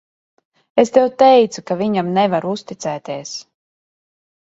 Es tev teicu, ka viņam nevar uzticēties.